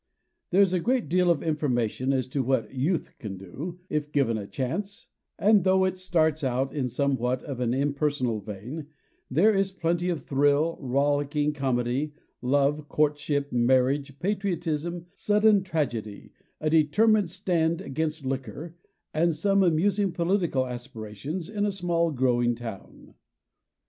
There is a great deal of information as to what Youth can do, if given a chance; and, though it starts out in somewhat of an impersonal vein, there is plenty of thrill, rollicking comedy, love, courtship, marriage, patriotism, sudden tragedy, a determined stand against liquor, and some amusing political aspirations in a small growing town.